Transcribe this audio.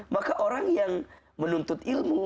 maka orang yang menuntut ilmu